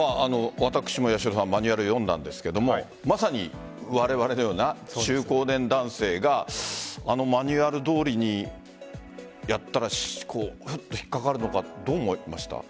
私も八代さんもマニュアル読んだんですがまさにわれわれのような中高年男性があのマニュアルどおりにやったら引っ掛かるのかどう思いました？